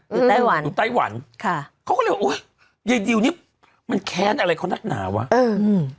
ไต้หวันอยู่ไต้หวันค่ะเขาก็เลยว่าโอ้ยใยดิวนี่มันแค้นอะไรเขานักหนาวะอืม